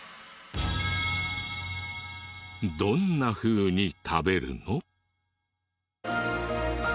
どんなふうに食べるの？